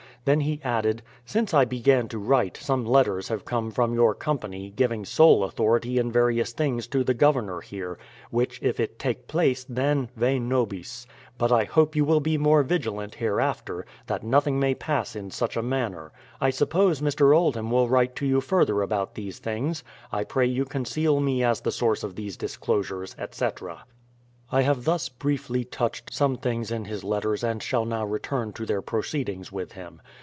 Then he added : "Since I began to write, some letters have come from your company, giving sole authority in various things to the Governor here; which, if it take place, then, Ve nobis. But I hope you will he more vigilant hereafter, that nothing may pass in such a manner. I suppose Mr. Oldham will write to you further about these things. I pray you conceal me as the source of these disclosures, etc." I have thus briefly touched some things in his letters and shall now return to their proceedings with him.